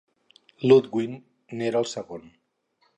Ludwig n'era el segon.